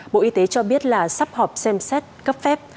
bộ y tế cho biết là sắp họp xem xét cấp phép